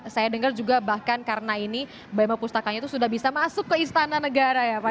saya dengar juga bahkan karena ini bemo pustakanya itu sudah bisa masuk ke istana negara ya pak